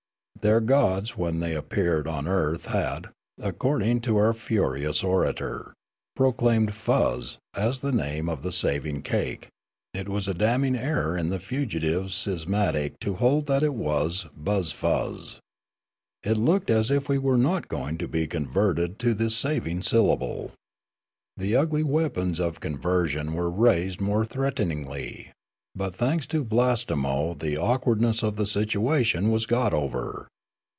Their gods when they appeared on earth had, according to our furious orator, proclaimed ' fuzz ' as the name of the saving cake: it was a damning error in the fugitive schismatics to hold that it was ' buzz fuzz.' It looked as if we were not going to be conv^erted to this saving syllable. The ugly weapons of conversion were raised 324 Riallaro more threateningly, but thanks to Blastemo the awk wardness of the situation was got over.